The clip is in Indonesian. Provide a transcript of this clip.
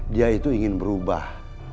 dia itu ingin berubah